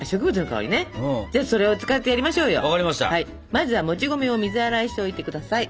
まずはもち米を水洗いしておいてください。